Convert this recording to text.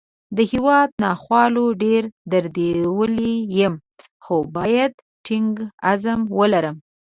د هیواد ناخوالو ډېر دردولی یم، خو باید ټینګ عزم ولرو